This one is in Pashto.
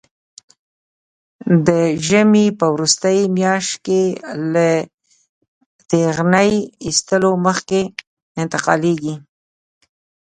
د ژمي په وروستۍ میاشت کې له ټېغنې ایستلو مخکې انتقالېږي.